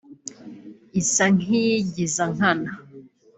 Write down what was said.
isa nk’iyigiza nkana